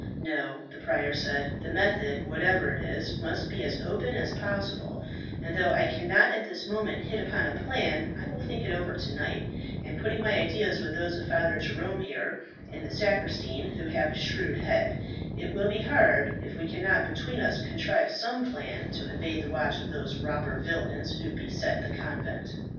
"No," the prior said, "the method, whatever it is, must be as open as possible; and though I cannot at this moment hit upon a plan, I will think it over to night, and putting my ideas with those of Father Jerome here, and the sacristan, who has a shrewd head, it will be hard if we cannot between us contrive some plan to evade the watch of those robber villains who beset the convent."